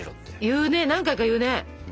言うね何回か言うね。